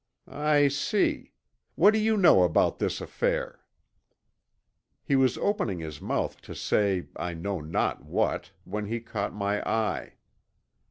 "I see. What do you know about this affair?" He was opening his mouth to say I know not what when he caught my eye.